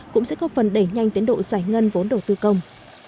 cũng sẽ có phần đẩy nhanh tiến độ giải ngân vốn đầu tư công